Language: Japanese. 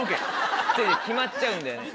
決まっちゃうんだよね。